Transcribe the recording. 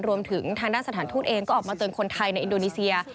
รวมถึงทางด้านสถานทูตเองก็ออกมาเตือนคนไทยในอินโดนีเซีย